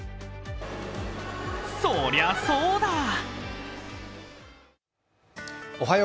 そりゃそうだ。